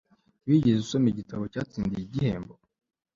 Wigeze usoma igitabo cyatsindiye igihembo